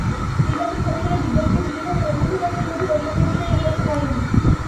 নির্বাচন কশিনের বিজ্ঞপ্তিও বিশেষভাবে নতুন ভোটারদের মধ্যে বৈষম্যের বিষয়ে স্পষ্ট করেনি।